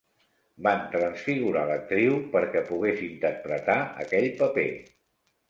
Van transfigurar l'actriu perquè pogués interpretar aquell paper.